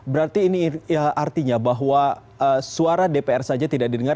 berarti ini artinya bahwa suara dpr saja tidak didengar